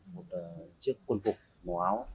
một chiếc quân phục màu áo